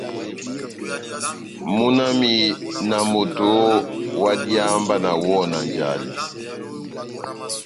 Múna wami na moto oooh, ohádiháha mba nawɔhɔ na njale !